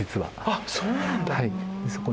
あそうなんだ。